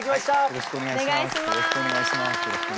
よろしくお願いします。